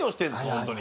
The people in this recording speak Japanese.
本当に。